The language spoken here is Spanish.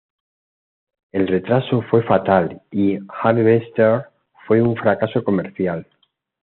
El retraso fue fatal y Harvester fue un fracaso comercial.